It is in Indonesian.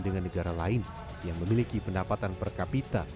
dengan negara lain yang memiliki pendapatan per kapita